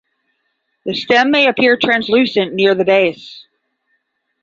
The stem may appear translucent near the base.